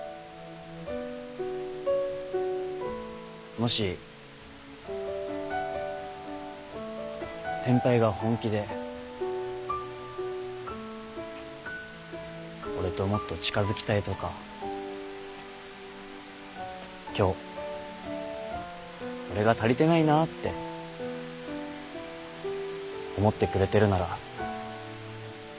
もし先輩が本気で俺ともっと近づきたいとか今日俺が足りてないなって思ってくれてるなら。